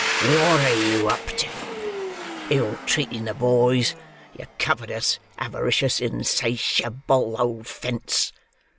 "What are you up to? Ill treating the boys, you covetous, avaricious, in sa ti a ble old fence?"